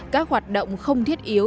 các hoạt động không thiết yếu